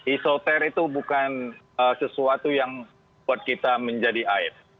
isoter itu bukan sesuatu yang buat kita menjadi air